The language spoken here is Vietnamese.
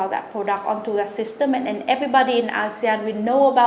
và tất cả các người ở asean sẽ biết về sản phẩm đó